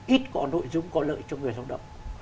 ít có nội dung có lợi cho người lao động